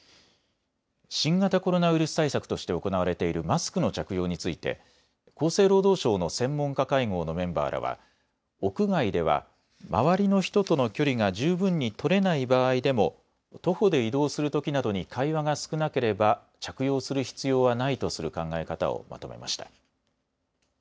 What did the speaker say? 新型コロナウイルス対策として行われているマスクの着用について厚生労働省の専門家会合のメンバーらは屋外では周りの人との距離が十分に取れない場合でも徒歩で移動するときなどに会話が少なければ着用する必要はないとする考え方をまとめました。